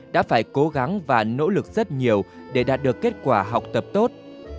đã phải cố gắng và nỗ lực rất nhiều để đạt được kết quả học tập tốt